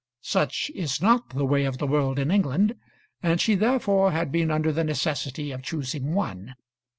Such is not the way of the world in England, and she therefore had been under the necessity of choosing one.